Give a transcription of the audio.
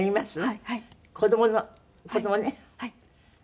はい。